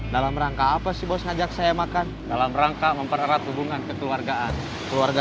dalam rangka apa sih bos ngajak saya makan dalam rangka mempererat hubungan kekeluargaan keluarga